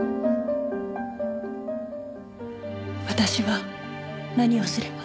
私は何をすれば？